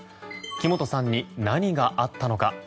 木本さんに何があったのか。